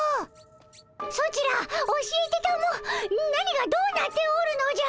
ソチら教えてたも何がどうなっておるのじゃ！